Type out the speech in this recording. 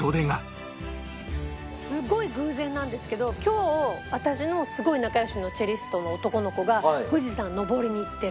すごい偶然なんですけど今日私のすごい仲良しのチェリストの男の子が富士山登りに行ってる。